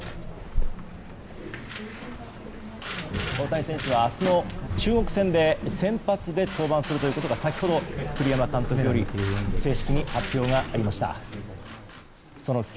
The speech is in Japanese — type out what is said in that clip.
大谷選手は明日の中国戦で先発で登板することが先ほど栗山監督より正式に発表がありました。